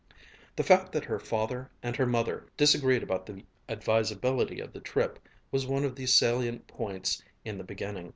The fact that her father and her mother disagreed about the advisability of the trip was one of the salient points in the beginning.